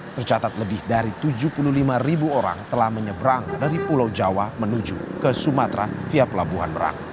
tercatat lebih dari tujuh puluh lima ribu orang telah menyeberang dari pulau jawa menuju ke sumatera via pelabuhan merak